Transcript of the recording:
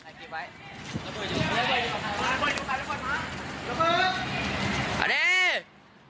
ระเบิดอยู่ใครระเบิด